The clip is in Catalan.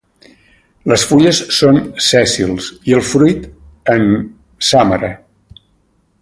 Les fulles són sèssils i el fruit en sàmara.